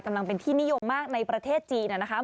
กำลังเป็นที่นิยมมากในประเทศจีนนะครับ